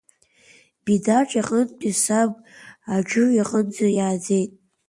Бидаҿ иҟынтәи, саб Аџыр иҟынӡа иааӡеит.